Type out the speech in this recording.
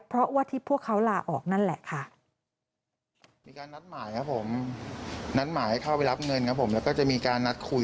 เพราะว่าที่พวกเขาลาออกนั่นแหละค่ะ